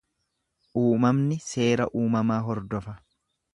Uumamni seera uumamaa hordofa.